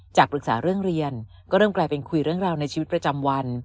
ปรึกษาเรื่องเรียนก็เริ่มกลายเป็นคุยเรื่องราวในชีวิตประจำวัน